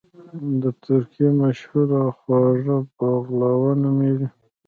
د ترکی مشهور خواږه بغلاوه نوميږي